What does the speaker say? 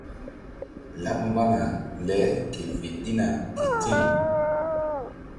Laɓ mbana le ke fe ɗina ke ti̧w.